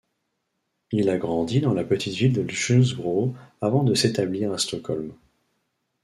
Il a grandi dans la petite ville de Ljungsbro avant de s'établir à Stockholm.